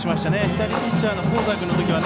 左ピッチャーの香西君の時には